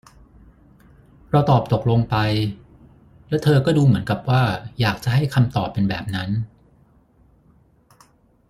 เราตอบตกลงไป และเธอก็ดูเหมือนกับว่าอยากจะให้คำตอบเป็นแบบนั้น